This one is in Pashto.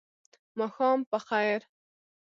ماښام په خیر !